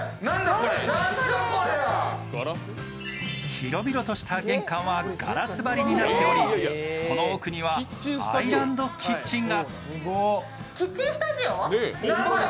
広々とした玄関はガラス張りになっておりこの奥にはアイランドキッチンが。